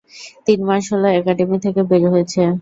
তিন মাস হলো একাডেমী থেকে বের হয়েছে।